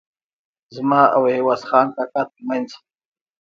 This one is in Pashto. زما او عوض خان کاکا ترمنځ.